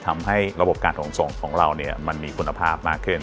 ทำให้ระบบการขนส่งของเรามันมีคุณภาพมากขึ้น